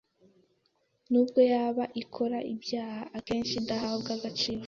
nubwo yaba ikora ibyaha, akenshi idahabwa agaciro,